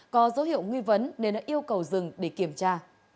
có dấu hiệu nguy vấn nên đã yêu cầu rừng để kiểm tra